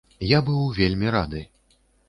Я быў вельмі рады.